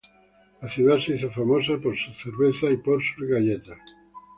La ciudad se hizo famosa por su cerveza y por sus galletas.